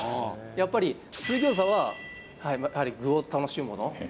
やっぱり水餃子はやはり具を楽しむもの